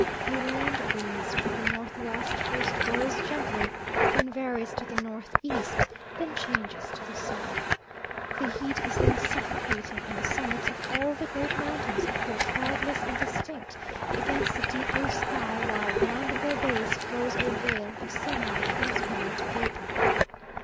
A land breeze from the north west first blows gently, then varies to the north east, then changes to the south. The heat is then suffocating and the summits of all the great mountains appear cloudless and distinct against the deep blue sky, while round their base flows a veil of semi transparent vapour.